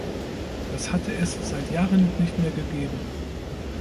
Das hatte es seit Jahren nicht mehr gegeben.